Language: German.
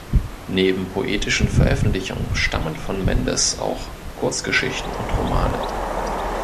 Neben poetischen Veröffentlichungen stammen von Mendes auch Kurzgeschichten und Romane.